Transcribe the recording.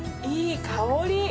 いい香り。